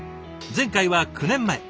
前回は９年前。